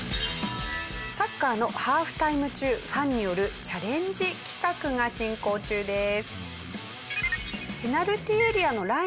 サッカーのハーフタイム中ファンによるチャレンジ企画が進行中です。